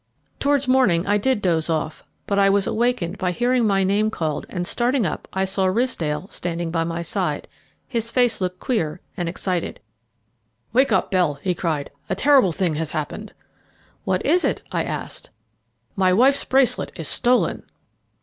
Towards morning I did doze off, but I was awakened by hearing my name called, and, starting up, I saw Ridsdale standing by my side. His face looked queer and excited. "Wake up, Bell," he cried; "a terrible thing has happened." "What is it?" I asked. "My wife's bracelet is stolen."